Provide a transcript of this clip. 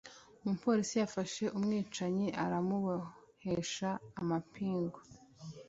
umupolisi yafashe umwicanyi aramubohesha amapingu